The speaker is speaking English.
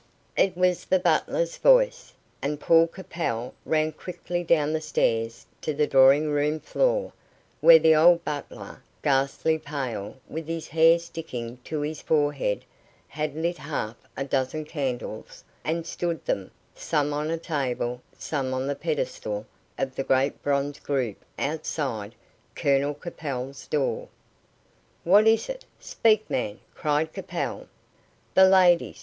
It was the butler's voice, and Paul Capel ran quickly down the stairs to the drawing room floor, where the old butler, ghastly pale, with his hair sticking to his forehead, had lit half a dozen candles and stood them, some on a table, some on the pedestal of the great bronze group outside Colonel Capel's door. "What is it? Speak, man!" cried Capel. "The ladies!